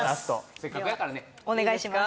せっかくやからねお願いします